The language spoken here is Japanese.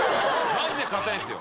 マジで硬いんですよ。